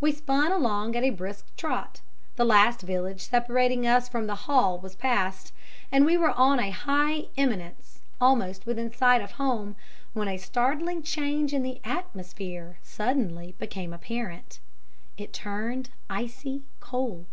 We spun along at a brisk trot the last village separating us from the Hall was past, and we were on a high eminence, almost within sight of home, when a startling change in the atmosphere suddenly became apparent it turned icy cold.